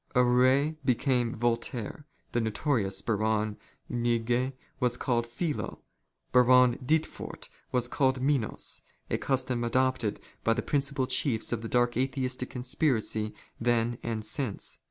Arouet became Voltaire, the notorious Baron Kuigg was called Philo, Baron Dittfort was called Minos, and so of the principal chiefs of the dark Atheistic conspiracy then and since.